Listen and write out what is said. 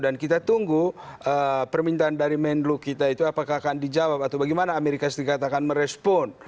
dan kita tunggu permintaan dari men dulu kita itu apakah akan dijawab atau bagaimana amerika serikat akan merespon